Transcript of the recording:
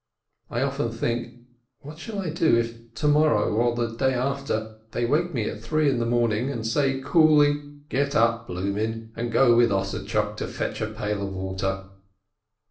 I often think : What shall I do, if to morrow, or the day after, they wake me at three o'clock in the morn ing and say coolly : "Get up, Blumin, and go with Ossadtchok to fetch a pail of water